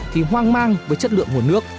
thì hoang mang với chất lượng hồn nước